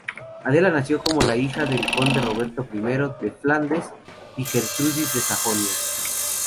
Adela nació como hija del conde Roberto I de Flandes, y Gertrudis de Sajonia.